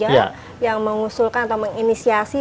yang mengusulkan atau menginisiasi